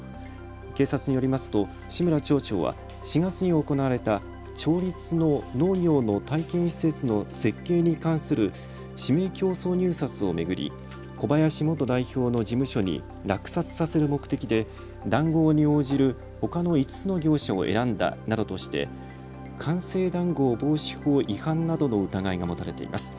警察によりますと志村町長は、４月に行われた町立の農業の体験施設の設計に関する指名競争入札を巡り小林元代表の事務所に落札させる目的で談合に応じるほかの５つの業者を選んだなどとして官製談合防止法違反などの疑いが持たれています。